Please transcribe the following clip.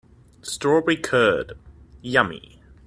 Strawberry curd, yummy!